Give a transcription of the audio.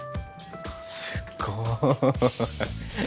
すっごい。